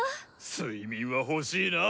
睡眠は欲しいな。